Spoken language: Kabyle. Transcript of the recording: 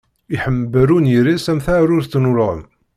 Iḥember unyir-is am taɛrurt n ulɣem.